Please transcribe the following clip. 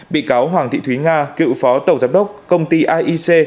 bị cáo hoàng thị thúy nga cựu phó tổng giám đốc công ty aic